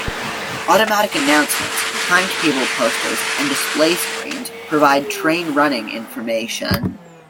Automatic announcements, timetable posters and display screens provide train running information.